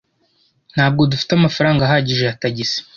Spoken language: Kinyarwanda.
Ntabwo dufite amafaranga ahagije ya tagisi.